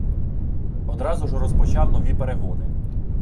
Одразу ж розпочав нові перегони